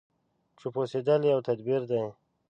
چوپ اوسېدل يو تدبير دی.